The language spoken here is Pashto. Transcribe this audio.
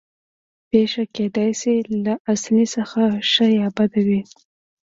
پېښه کېدای شي له اصلي څخه ښه یا بده وي